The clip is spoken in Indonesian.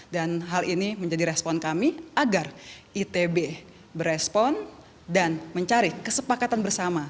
dan hal ini menjadi respon kami agar itb berespon dan mencari kesepakatan bersama